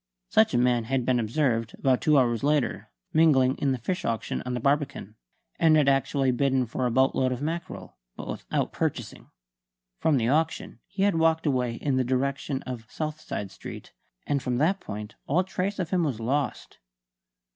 Such a man had been observed, about two hours later, mingling in a fish auction on the Barbican; and had actually bidden for a boatload of mackerel, but without purchasing. From the auction he had walked away in the direction of Southside Street; and from that point all trace of him was lost.